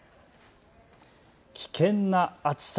危険な暑さ。